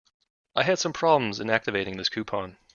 I had some problems in activating this coupon.